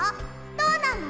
どうなの？